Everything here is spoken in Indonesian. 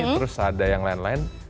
terus ada yang lain lain